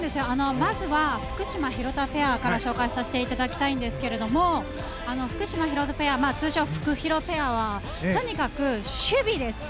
まずは福島、廣田ペアから紹介させていただきたいんですが福島、廣田ペア通称フクヒロペア、はとにかく守備ですね。